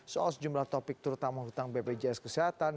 soal sejumlah topik terutama hutang bpjs kesehatan